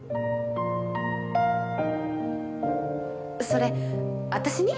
それ私に？